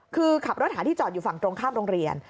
คือขับรถหาที่จอดอยู่ฝั่งตรงข้ามโรงเรียน